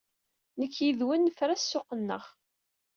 Nekk yid-wen nefra ssuq-nneɣ.